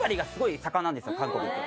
韓国って。